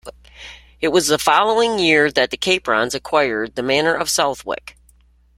It was in the following year that the Caprons acquired the manor of Southwick.